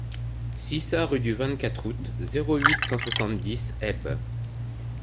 six A rue du vingt-quatre Août, zéro huit, cent soixante-dix, Haybes